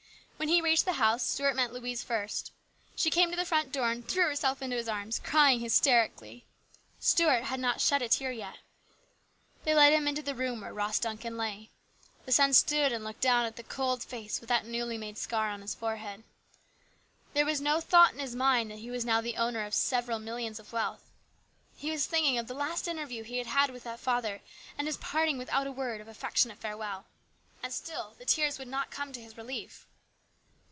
When they reached the house, Stuart met Louise first. She came to the front door and threw herself into his arms, crying hysterically. Stuart had not shed a tear yet. They led him into the room where Ross Duncan lay. The son stood and looked down at the cold face with that newly made scar on the forehead. There was no thought in his mind that he was now the owner of several millions of wealth. He was thinking of the last interview he had with that father and his parting without a word of affectionate fare well. And still the tears would not come to his relief.